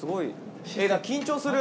緊張する。